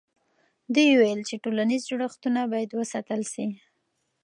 دوی وویل چې ټولنیز جوړښتونه باید وساتل سي.